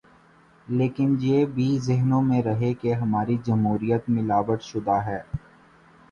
لیکن یہ بھی ذہنوں میں رہے کہ ہماری جمہوریت ملاوٹ شدہ ہے۔